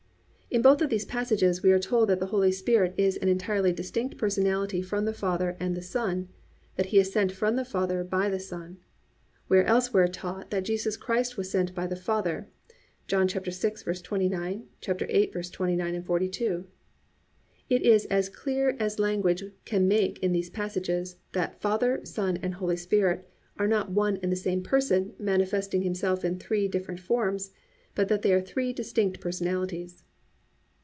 "+ In both of these passages we are told that the Holy Spirit is an entirely distinct personality from the Father and the Son, that He is sent from the Father by the Son. We are elsewhere taught that Jesus Christ was sent by the Father (John 6:29; 8:29, 42). It is as clear as language can make it in these passages that Father, Son and Holy Spirit are not one and the same Person manifesting Himself in three different forms, but that they are three distinct personalities.